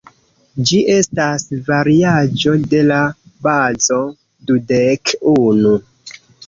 Ĝi estas variaĵo de la bazo dudek unu.